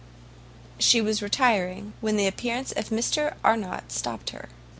Again she was retiring, when the appearance of Mr Arnott stopped her.